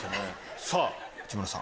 さぁ内村さん。